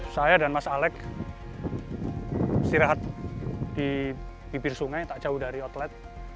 saya dan mas alex istirahat di bibir sungai tak jauh dari outlet